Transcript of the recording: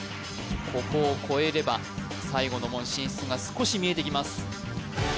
ここを越えれば最後の門進出が少し見えてきます